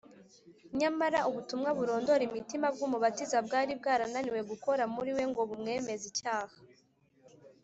. Nyamara ubutumwa burondora imitima bw’Umubatiza bwari bwarananiwe gukora muri we ngo bumwemeze icyaha.